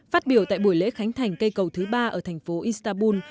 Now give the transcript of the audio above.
phát biểu tại buổi lễ khánh thành cây cầu thứ ba ở thành phố istanbul